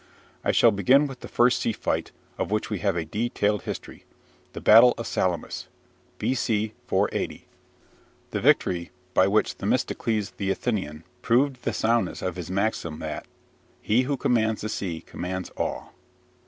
I shall begin with the first sea fight of which we have a detailed history the Battle of Salamis (B.C. 480), the victory by which Themistocles the Athenian proved the soundness of his maxim that "he who commands the sea commands all."